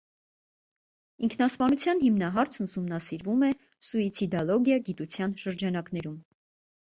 Ինքնասպանության հիմնահարցն ուսումնասիրվում է սուիցիդալոգիա գիտության շրջանակներում։